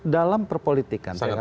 dalam perpolitik kan saya katakan